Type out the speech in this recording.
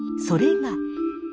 それが。